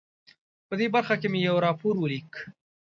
په دې برخه کې مې یو راپور ولیک.